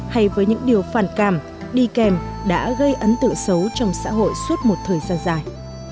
hay với những điều phản cảm đi kèm đã gây ấn tượng xấu trong xã hội suốt một thời gian dài